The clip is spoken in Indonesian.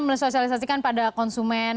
melakukan sosialisasi pada konsumen